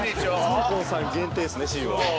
サンコンさん限定ですねＣは。